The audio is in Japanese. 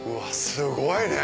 すごいね。